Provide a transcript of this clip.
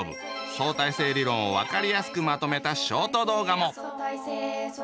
相対性理論をわかりやすくまとめたショート動画も！